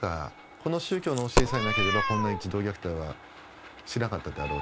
この宗教の教えさえなければ、こんな児童虐待はしなかっただろう